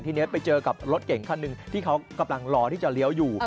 ทีนี้ไปเจอกับรถเก่งคันหนึ่งที่เขากำลังรอที่จะเลี้ยวอยู่